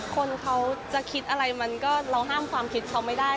คนเขาจะคิดอะไรมันก็เราห้ามความคิดเขาไม่ได้